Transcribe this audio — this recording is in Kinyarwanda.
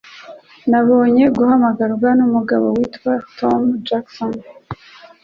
Nabonye guhamagarwa numugabo witwa Tom Jackson.